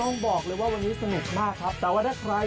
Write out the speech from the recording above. นี่ครับแล้ววันราดแดดสตกระทบนี้